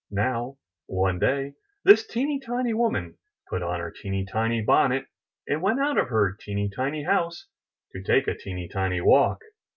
Now, one day this teeny tiny woman put on her teeny tiny bonnet, and went out of her teeny tiny house to take a teeny tiny walk.